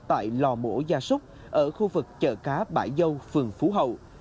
tại lò mổ gia súc ở khu vực chợ cá bải dâu phường phú hậu